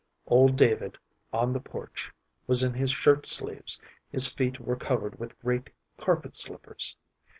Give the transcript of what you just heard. Old David, on the porch, was in his shirt sleeves, his feet were covered with great carpet slippers.